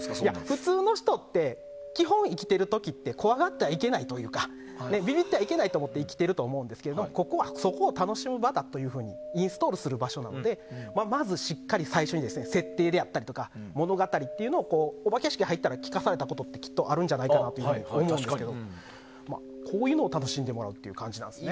普通の人って基本、生きてる時って怖がってはいけないというかビビってはいけないと思って生きていると思うんですけどここは、そこを楽しむ場だとインストールする場所なのでまずしっかり最初に設定であったり物語っていうのをお化け屋敷に入って聞かされたことってあると思いますがこういうのを楽しんでもらうという感じですね。